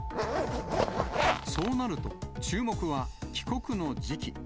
そうなると、注目は帰国の時期。